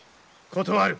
断る！